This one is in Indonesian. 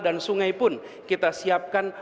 dan sungai pun kita siapkan